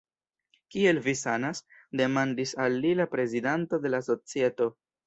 Kiel vi sanas? demandis al li la prezidanto de la societo.